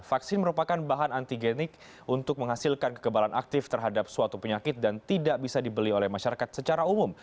vaksin merupakan bahan antigenik untuk menghasilkan kekebalan aktif terhadap suatu penyakit dan tidak bisa dibeli oleh masyarakat secara umum